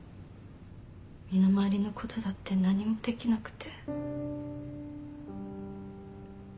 身の回りのことだって何もできなくて。